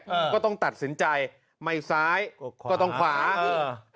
ก็ต้องตัดสินใจไม่ซ้ายก็ต้องขวาเออ